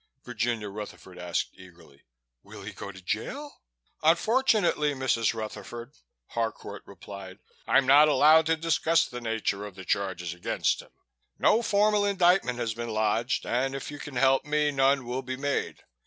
Virginia Rutherford asked eagerly. "Will he go to jail?" "Unfortunately, Mrs. Rutherford," Harcourt replied, "I'm not allowed to discuss the nature of the charges against him. No formal indictment has been lodged and if you can help me, none will be made.